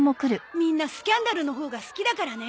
みんなスキャンダルのほうが好きだからね。